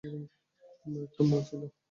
আমার একটা মা ছিল।